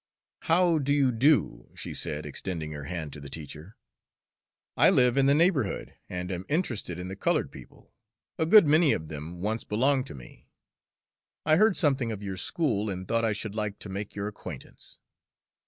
"How do you do?" she said, extending her hand to the teacher. "I live in the neighborhood and am interested in the colored people a good many of them once belonged to me. I heard something of your school, and thought I should like to make your acquaintance."